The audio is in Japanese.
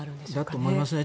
だと思いますね。